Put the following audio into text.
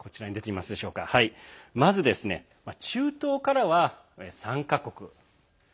まず、中東からは３か国。